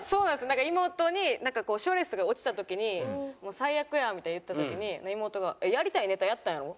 なんか妹に賞レースとか落ちた時に「もう最悪や」みたいに言った時に妹が「やりたいネタやったんやろ？